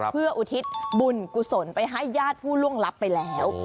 เพื่ออุทิศบุญกุศลไปให้ญาติผู้ล่วงลับไปแล้ว